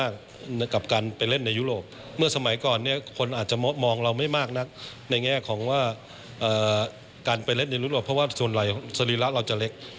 การไปเล่นในลีกยุโรปเพราะว่าส่วนไหลสริระเราจะเล็ก